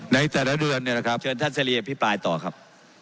ในแต่ละเดือนเนี่ยนะครับเชิญท่านเสรีอภิปรายต่อครับ